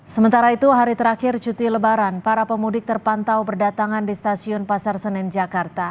sementara itu hari terakhir cuti lebaran para pemudik terpantau berdatangan di stasiun pasar senen jakarta